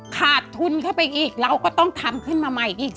ขาดทุนเข้าไปอีกเราก็ต้องทำขึ้นมาใหม่อีก